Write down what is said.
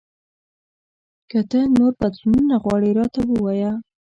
که ته نور بدلونونه غواړې، راته ووایه !